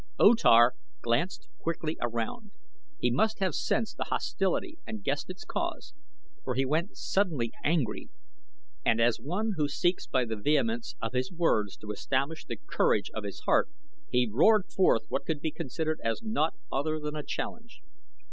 O Tar glanced quickly around. He must have sensed the hostility and guessed its cause, for he went suddenly angry, and as one who seeks by the vehemence of his words to establish the courage of his heart he roared forth what could be considered as naught other than a challenge.